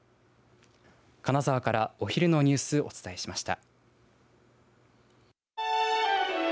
金沢からお昼のニュースお伝えしました。